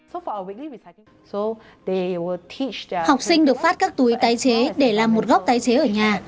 học sinh được phát các túi tái chế để làm một góc tái chế ở nhà